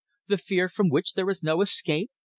... The fear from which there is no escape!"